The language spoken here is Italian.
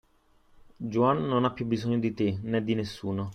Juan non ha più bisogno di te, né di nessuno.